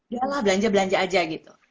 ya lah belanja belanja aja gitu